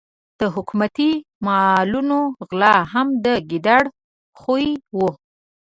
د حکومتي مالونو غلا هم د ګیدړ خوی وو.